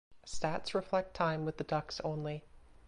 Stats reflect time with the Ducks only.